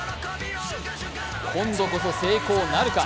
今度こそ成功なるか。